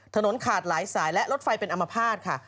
ถนนขาดหลายสายและรถไฟเป็นอมภาษณ์ค่ะ